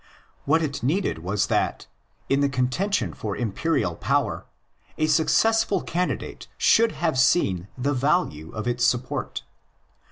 What it needed was that, in the con tention for imperial power, a successful candidate should have seen the value of its support.